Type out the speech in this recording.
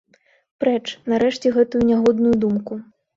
Прэч, нарэшце, гэтую нягодную думку.